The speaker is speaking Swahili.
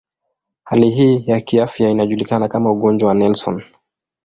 Hali hii ya kiafya inajulikana kama ugonjwa wa Nelson.